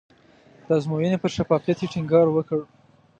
د ازموینې پر شفافیت یې ټینګار وکړ.